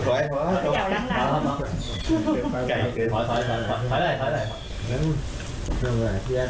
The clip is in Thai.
ละท้าว